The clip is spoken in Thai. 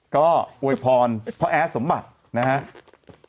ก็อวยพรพ่อแอดสมบัตินะครับ